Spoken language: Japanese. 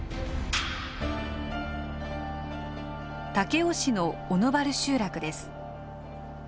武雄市の小野原集落です。